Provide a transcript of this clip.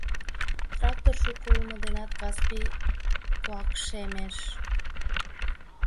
Трактор шуко улмо денат Каспий куакшемеш.